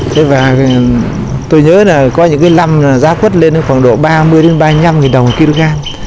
thế và tôi nhớ là có những cái lâm giá quất lên khoảng độ ba mươi đến ba mươi năm nghìn đồng một kg